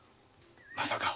まさか。